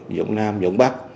giọng nam giọng bắc